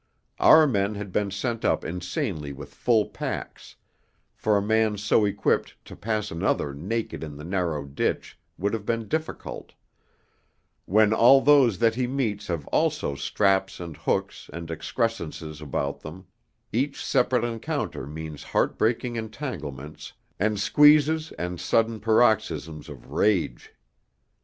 Our men had been sent up insanely with full packs; for a man so equipped to pass another naked in the narrow ditch would have been difficult; when all those that he meets have also straps and hooks and excrescences about them, each separate encounter means heartbreaking entanglements and squeezes and sudden paroxysms of rage.